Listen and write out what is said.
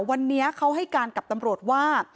วันนี้เขาให้การกับตำรวจว่า